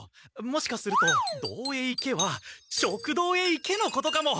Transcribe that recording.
もしかすると「どうへいけ」は「食堂へ行け」のことかも！